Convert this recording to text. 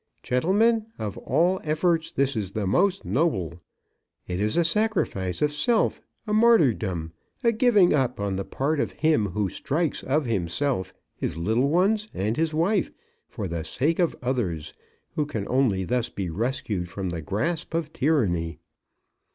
Gentlemen, of all efforts this is the most noble. It is a sacrifice of self, a martyrdom, a giving up on the part of him who strikes of himself, his little ones, and his wife, for the sake of others who can only thus be rescued from the grasp of tyranny.